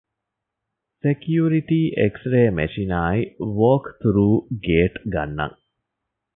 ސެކިޔުރިޓީ އެކްސްރޭ މެޝިނާއި ވޯކްތުރޫ ގޭޓް ގަންނަން